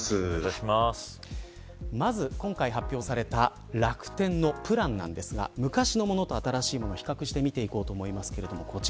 まず、今回発表された楽天のプランなんですが昔のものと新しいものを比較して見ていこうと思います。